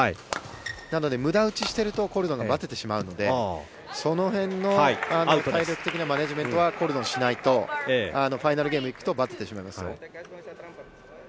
なので無駄打ちしているとコルドンはバテてしまうのでその辺の体力的なマネジメントはコルドン、しないとファイナルゲームに行くとバテてしまいますよ。